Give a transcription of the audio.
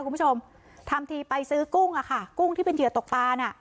คุณผู้ชมทำทีไปซื้อกุ้งอะค่ะกุ้งที่เป็นเหยื่อตกปลาน่ะ